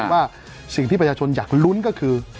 ว่าสิ่งที่ประชาชนอยากลุ้นก็คือ